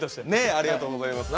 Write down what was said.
ありがとうございます。